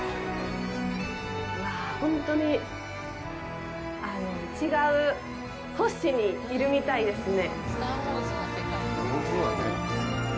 本当に違う星にいるみたいですね。